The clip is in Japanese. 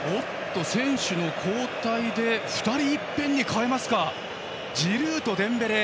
選手の交代で２人いっぺんに代えますフランス。